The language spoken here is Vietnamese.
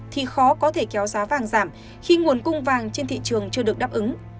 thì khó có thể kéo giá vàng giảm khi nguồn cung vàng trên thị trường chưa được đáp ứng